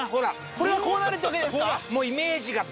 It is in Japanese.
これがこうなるってわけですか？